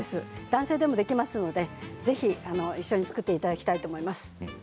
男性でもできますのでぜひ一緒に作っていただきたいと思います。